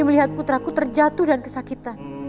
melihat putraku terjatuh dan kesakitan